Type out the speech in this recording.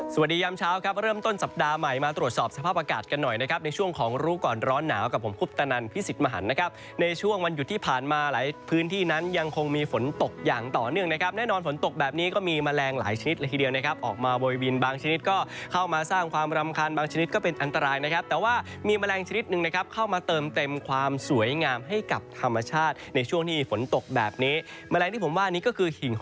สวัสดียามเช้าครับเริ่มต้นสัปดาห์ใหม่มาตรวจสอบสภาพอากาศกันหน่อยนะครับในช่วงของรู้ก่อนร้อนหนาวกับผมคุปตนันพิสิทธิ์มหันนะครับในช่วงวันหยุดที่ผ่านมาหลายพื้นที่นั้นยังคงมีฝนตกอย่างต่อเนื่องนะครับแน่นอนฝนตกแบบนี้ก็มีแมลงหลายชนิดละครีเดียวนะครับออกมาบริเวณบางชนิดก็เข